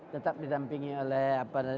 tetap didampingi oleh